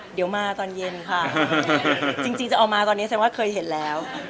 เดี๋ยวมาตอนเย็นค่ะจริงจะเอามาตอนนี้แสดงว่าเคยเห็นแล้ว